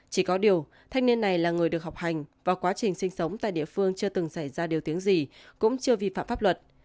chỉ có điều thanh niên này là người được học hành và quá trình sinh sống tại địa phương chưa từng xảy ra điều tiếng gì cũng chưa vi phạm pháp luật